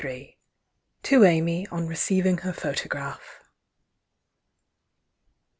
141 ) TO AMY, ON RECEIVING HER PHOTOGRAPH.